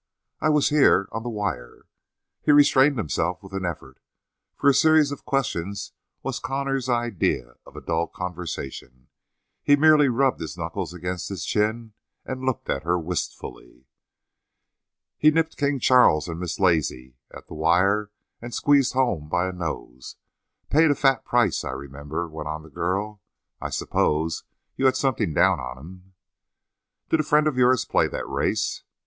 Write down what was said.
"I was here on the wire." He restrained himself with an effort, for a series of questions was Connor's idea of a dull conversation. He merely rubbed his knuckles against his chin and looked at her wistfully. "He nipped King Charles and Miss Lazy at the wire and squeezed home by a nose paid a fat price, I remember," went on the girl. "I suppose you had something down on him?" "Did a friend of yours play that race?"